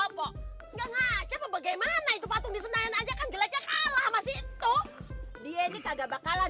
opo enggak cepat bagaimana itu patung disenayan aja kan jelajah kalah masih itu dia ini kagak bakalan